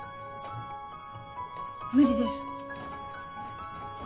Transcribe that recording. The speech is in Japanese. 無理です。